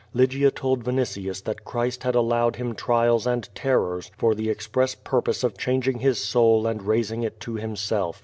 Lygia told Vinitius that Christ had allowed him trials and terrors for the express pur pose of changing his soul and raising it to Himself.